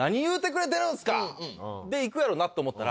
でいくやろなって思ったら。